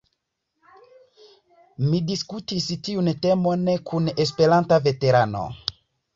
Mi diskutis tiun temon kun Esperanta veterano.